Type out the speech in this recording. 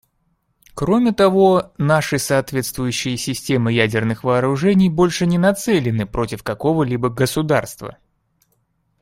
Кроме того, наши соответствующие системы ядерных вооружений больше не нацелены против какого-либо государства.